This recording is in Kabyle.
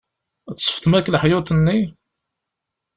Tsefḍem akk leḥyuḍ-nni?